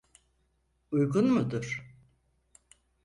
Uygun mudur?